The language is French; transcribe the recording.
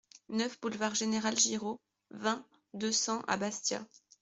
neuf boulevard Général Giraud, vingt, deux cents à Bastia